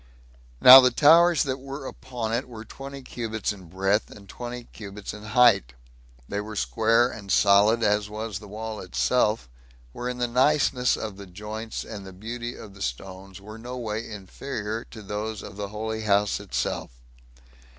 Now the towers that were upon it were twenty cubits in breadth, and twenty cubits in height; they were square and solid, as was the wall itself, wherein the niceness of the joints, and the beauty of the stones, were no way inferior to those of the holy house itself.